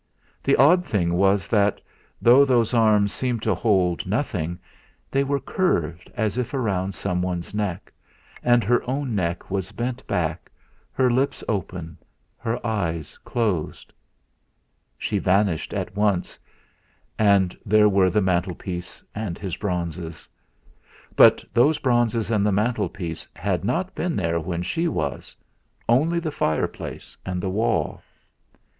The odd thing was that, though those arms seemed to hold nothing, they were curved as if round someone's neck, and her own neck was bent back, her lips open, her eyes closed. She vanished at once, and there were the mantelpiece and his bronzes. But those bronzes and the mantelpiece had not been there when she was, only the fireplace and the wall!